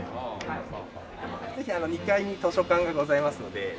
ぜひ２階に図書館がございますので。